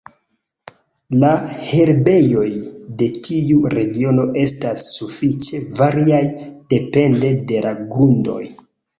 La herbejoj de tiu regiono estas sufiĉe variaj depende de la grundoj.